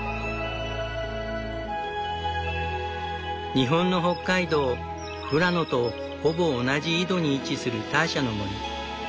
日本の北海道富良野とほぼ同じ緯度に位置するターシャの森。